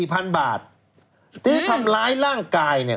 ปรับถึง๔๐๐๐บาทที่ทำร้ายร่างกายเนี่ย